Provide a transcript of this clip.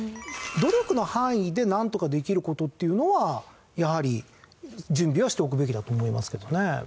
努力の範囲でなんとかできる事っていうのはやはり準備はしておくべきだと思いますけどね。